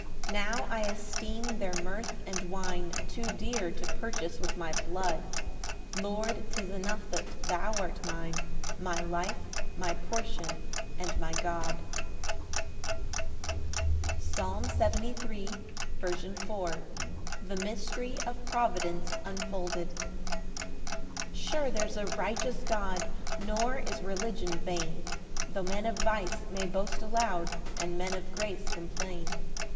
5 Now I esteem their mirth and wine Too dear to purchase with my blood; Lord, 'tis enough that thou art mine, My life, my portion, and my God. Psalm 73:4. S. M. The mystery of providence unfolded. 1 Sure there's a righteous God, Nor is religion vain, Tho' men of vice may boast aloud, And men of grace complain.